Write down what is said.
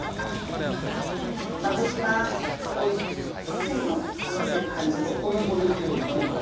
水分を吸わせる感じで。